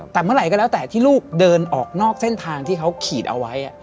แต่เมื่อไหร่ก็แล้วแต่ที่ลูกเดินออกนอกเส้นทางที่เขาขีดเอาไว้